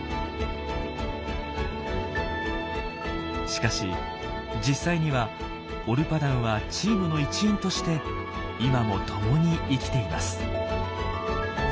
しかし実際にはオルパダンはチームの一員として今も共に生きています。